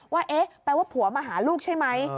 ว่าแปลว่าผัวมหาลูกใช่ไหม